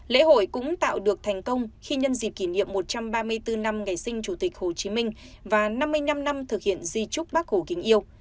lễ hội cũng tạo được thành công khi nhân dịp kỷ niệm một trăm ba mươi bốn năm ngày sinh chủ tịch hồ chí minh và năm mươi năm năm thực hiện di trúc bác hồ kính yêu